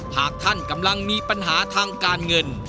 หากท่านกำลังมีปัญหาทางการเงิน